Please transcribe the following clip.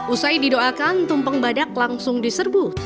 usai didoakan tumpeng badak langsung diserbu